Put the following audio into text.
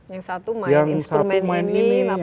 yang satu main instrumen ini